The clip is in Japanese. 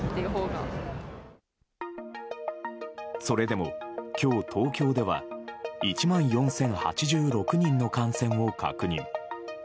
それでも今日、東京では１万４０８６人の感染を確認。